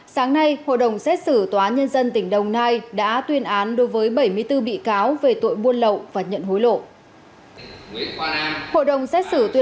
sáng nay hội đồng xét xử tòa nhân dân tỉnh đồng nai đã tuyên án đối với bảy mươi bốn bị cáo về tội buôn lậu